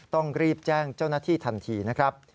ต้องรีบแจ้งเจ้าหน้าที่ทันทีนะครับ